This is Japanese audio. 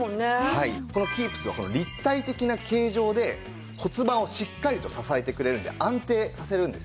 はいこのＫｅｅｐｓは立体的な形状で骨盤をしっかりと支えてくれるんで安定させるんですね。